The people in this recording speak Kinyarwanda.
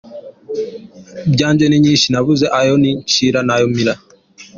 ryanje ni nyinshi nabuze ayo ncira nayo mira .